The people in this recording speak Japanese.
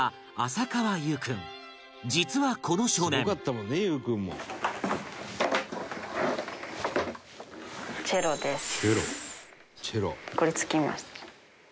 実はこの少年「チェロ」「チェロ」